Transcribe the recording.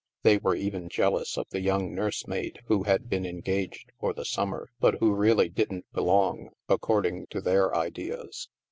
They were even jealous of the young nurse maid who had been engaged for the summer, but who really didn't "belong," according to their ideas.